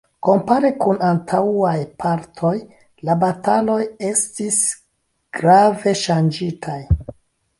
Kompare kun antaŭaj partoj, la bataloj estis grave ŝanĝitaj.